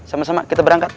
sama sama kita berangkat